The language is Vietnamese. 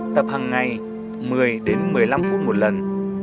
tập hằng ngày một mươi đến một mươi năm phút một lần